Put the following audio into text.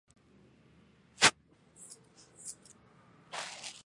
亚球孢黑腹菌是属于牛肝菌目黑腹菌科黑腹菌属的一种担子菌。